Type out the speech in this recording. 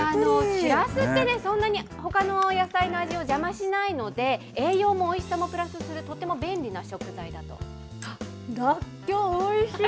しらすってね、そんなにほかのお野菜の味を邪魔しないので、栄養もおいしさもプラスする、らっきょう、おいしい。